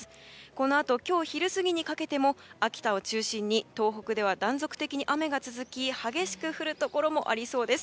このあと今日昼過ぎにかけても秋田を中心に東北では断続的に雨が続き激しく降るところもありそうです。